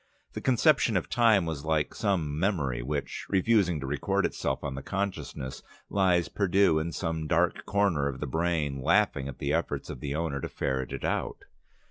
The conception of time was like some memory which, refusing to record itself on the consciousness, lies perdu in some dark corner of the brain, laughing at the efforts of the owner to ferret it out.